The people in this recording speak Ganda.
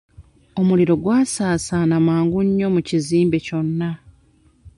Omuliro gwasaasaana mangu nnyo mu kizimbe kyonna.